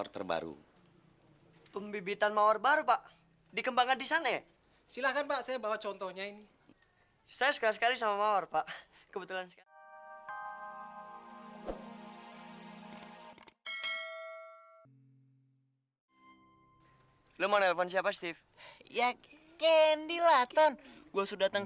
keren banget sama lo tun